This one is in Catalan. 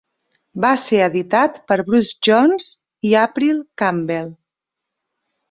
Va ser editat per Bruce Jones i April Campbell.